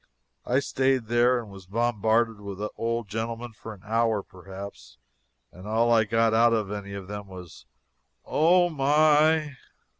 I stayed there and was bombarded with old gentlemen for an hour, perhaps; and all I got out of any of them was "Oh, my!"